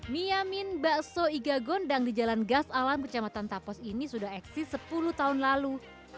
miyamin bakso iga gondang di jalan gas alam kecamatan tapos ini sudah eksis sepuluh tahun lalu